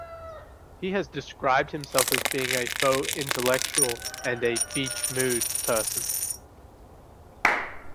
He has described himself as being a "faux intellectual" and "beach mood" person.